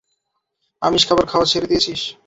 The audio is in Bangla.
আমিষ খাবার খাওয়া ছেড়ে দিয়েছিস?